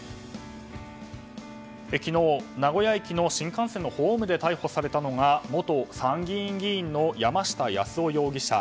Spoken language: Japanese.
昨日、名古屋駅の新幹線のホームで逮捕されたのが元参議院議員の山下八洲夫容疑者。